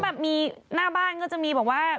แบบมีหน้าบ้านก็จะมีแบบว่า